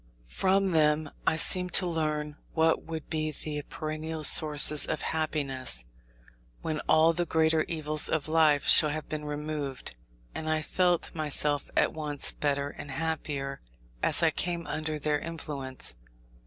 From them I seemed to learn what would be the perennial sources of happiness, when all the greater evils of life shall have been removed. And I felt myself at once better and happier as I came under their influence.